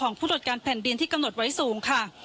ผู้ตรวจการแผ่นดินที่กำหนดไว้สูงค่ะ